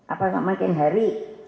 apa sama ken harry